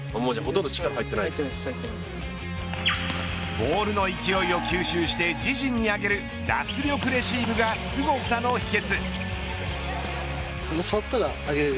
ボールの勢いを吸収して自陣に上げる脱力レシーブが、すごさの秘訣。